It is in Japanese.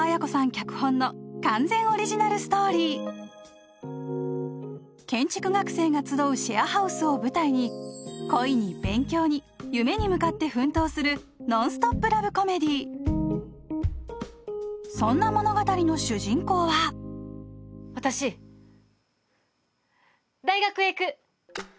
脚本の完全オリジナルストーリー建築学生が集うシェアハウスを舞台に恋に勉強に夢に向かって奮闘するノンストップラブコメディそんな物語の主人公は私大学へ行く！